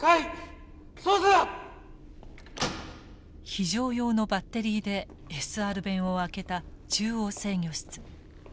非常用のバッテリーでＳＲ弁を開けた中央制御室。